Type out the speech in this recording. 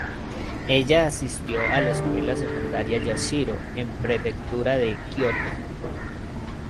Ella asistió a la Escuela Secundaria Yamashiro en Prefectura de Kyoto.